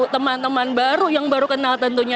teman teman baru yang baru kenal tentunya